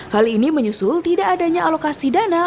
hal ini menyusul tidak adanya alokasi dana